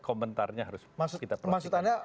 komentarnya harus kita perhatikan